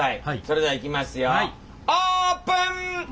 それではいきますよオープン！